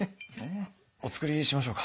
お作りしましょうか。